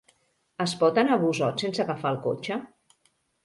Es pot anar a Busot sense agafar el cotxe?